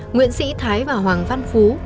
nguyễn sĩ thái và hoàng văn phú